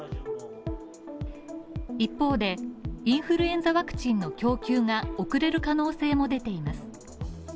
一方で、インフルエンザワクチンの供給が遅れる可能性も出ています。